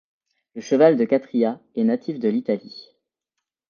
Le cheval de Catria est natif de l'Italie.